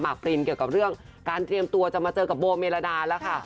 ปรินเกี่ยวกับเรื่องการเตรียมตัวจะมาเจอกับโบเมรดาแล้วค่ะ